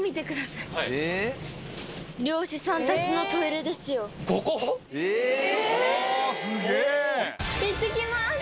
いってきます。